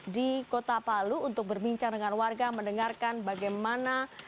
di kota palu untuk berbincang dengan warga mendengarkan bagaimana